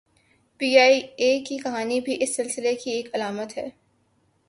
P I A کی کہانی بھی اس سلسلے کی ایک علامت ہے۔